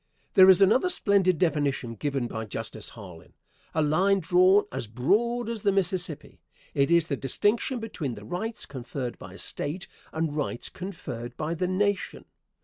There is another splendid definition given by Justice Harlan a line drawn as broad as the Mississippi. It is the distinction between the rights conferred by a State and rights conferred by the Nation.